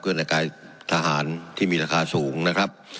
เครื่องแต่งกายทหารที่มีราคาสูงนะครับ